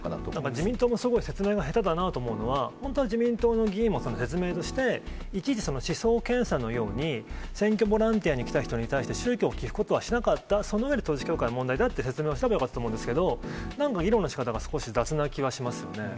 自民党もすごい説明が下手だなと思うのは、本当は自民党の議員も説明として、いちいち思想検査のように、選挙ボランティアに来た人に対して宗教を聞くことはしなかった、その統一教会の問題だという説明をしたらよかったんですけど、なんか議論のしかたが少し雑な気はしますね。